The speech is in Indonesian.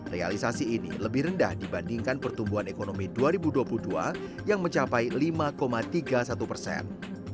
realisasi ini lebih rendah dibandingkan pertumbuhan ekonomi dua ribu dua puluh dua yang mencapai lima tiga puluh satu persen